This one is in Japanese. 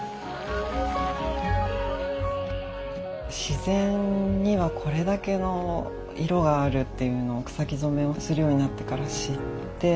自然にはこれだけの色があるっていうのを草木染めをするようになってから知って。